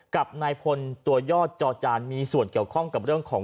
กับนายพลตัวยอดจอจานมีส่วนเกี่ยวข้องกับเรื่องของ